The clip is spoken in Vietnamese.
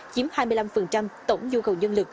chiếm hai mươi năm tổng nhu cầu nhân lực